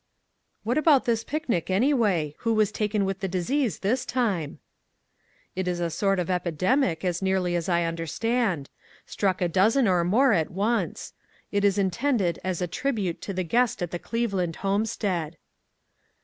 "What about this picnic, anyway? Who was taken with the disease this time ?" "It is a sort of epidemic, as nearly as I understand ; struck a dozen or more at once. It is intended as a tribute to the guest at the Cleveland homestead."